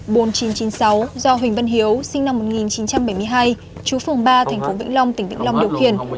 do huỳnh vân hiếu sinh năm một nghìn chín trăm bảy mươi hai chú phường ba tp vĩnh long tỉnh vĩnh long điều khiển